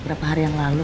berapa hari yang lalu